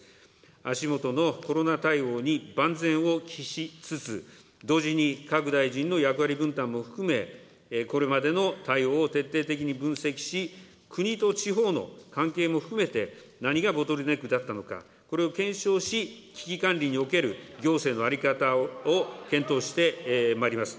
足もとのコロナ対応に万全を期しつつ、同時に各大臣の役割分担も含め、これまでの対応を徹底的に分析し、国と地方の関係も含めて、何がボトルネックだったのか、これを検証し、危機管理における行政の在り方を検討してまいります。